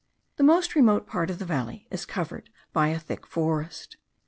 The most remote part of the valley is covered by a thick forest.